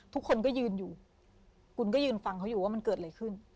ทุกคนก็ยืนอยู่คุณก็ยืนฟังเขาอยู่ว่ามันเกิดอะไรขึ้น